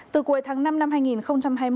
từ cuối tháng năm năm hai nghìn hai mươi